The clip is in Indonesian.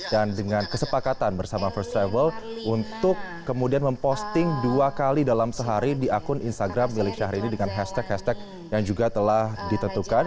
dan dengan kesepakatan bersama pest travel untuk kemudian memposting dua kali dalam sehari di akun instagram milik syahrini dengan hashtag hashtag yang juga telah ditentukan